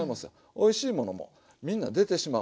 おいしいものもみんな出てしまう。